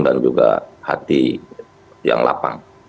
juga hati yang lapang